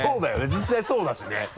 実際そうだしね。